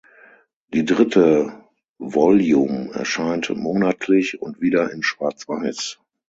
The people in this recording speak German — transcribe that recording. Die dritte Volume erscheint monatlich und wieder in Schwarz-Weiß.